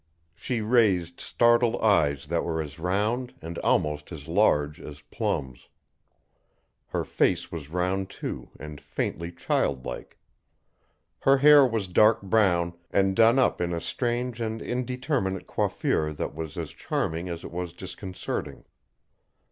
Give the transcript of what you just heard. She raised startled eyes that were as round, and almost as large, as plums. Her face was round, too, and faintly childlike. Her hair was dark brown, and done up in a strange and indeterminate coiffeur that was as charming as it was disconcerting.